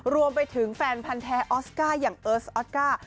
รวมไปถึงแฟนพันธ์แท้ออสการ์อย่างเอิร์สออสการ์